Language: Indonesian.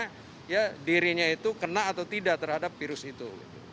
kirinya itu kena atau tidak terhadap virus itu